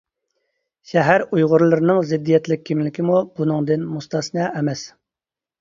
شەھەر ئۇيغۇرلىرىنىڭ زىددىيەتلىك كىملىكىمۇ بۇنىڭدىن مۇستەسنا ئەمەس.